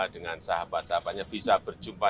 dengan sahabat sahabatnya bisa berjumpa